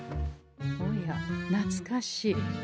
おやなつかしい。